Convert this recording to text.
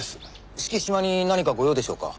敷島に何かご用でしょうか？